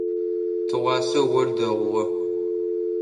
Тыгъуасэ ор дэгъугъэ.